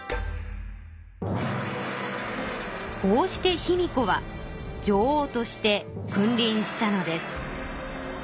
こうして卑弥呼は女王として君りんしたのです。